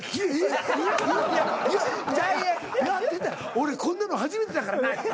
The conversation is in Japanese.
「俺こんなの初めてだからな！」。